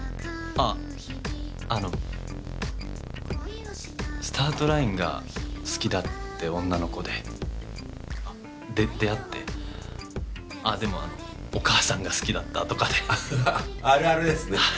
あっあの「スタートライン」が好きだって女の子でで出会ってあっでもお母さんが好きだったとかであるあるですね